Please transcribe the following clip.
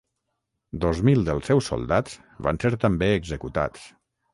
Dos mil dels seus soldats van ser també executats.